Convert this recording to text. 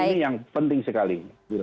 ini yang penting sekali